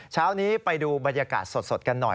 เช้านี้ไปดูบรรยากาศสดกันหน่อย